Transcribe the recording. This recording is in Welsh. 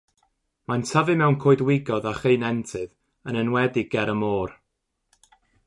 Mae'n tyfu mewn coedwigoedd a cheunentydd, yn enwedig ger y môr.